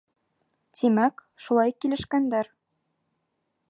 Тимәк, шулай килешкәндәр.